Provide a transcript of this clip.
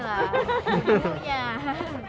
nah ini lah